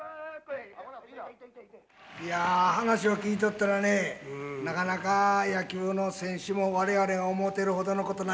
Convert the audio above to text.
いや話を聞いとったらねなかなか野球の選手も我々が思うてるほどのことないな。